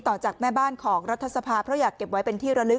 จากแม่บ้านของรัฐสภาเพราะอยากเก็บไว้เป็นที่ระลึก